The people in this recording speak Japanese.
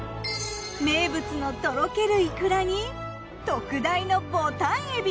名物のとろけるイクラに特大のぼたん海老。